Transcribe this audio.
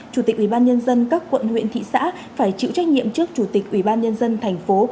chủ tịch ubnd các quận huyện thị xã phải chịu trách nhiệm trước chủ tịch ubnd thành phố